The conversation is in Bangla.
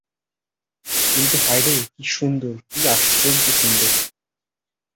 কিন্তু হায় রে, কী সুন্দর, কী আশ্চর্য সুন্দর!